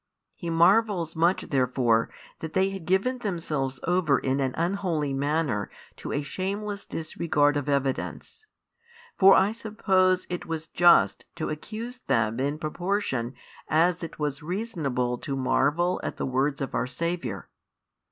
He marvels much therefore that they had given themselves over in an unholy manner to a shameless disregard of evidence. For I suppose it was just to accuse them in |96 proportion as it was reasonable to marvel at the words of Our Saviour.